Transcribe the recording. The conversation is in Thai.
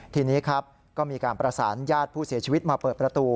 ทีนี้ครับก็มีการประสานญาติผู้เสียชีวิตมาเปิดประตู